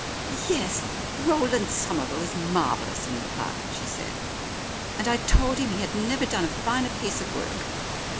"Yes, Roland Somerville is marvellous in the part," she said, "and I told him he had never done a finer piece of work.